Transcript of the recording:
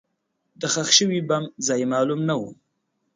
د ښخ شوي بم ځای معلوم نه و.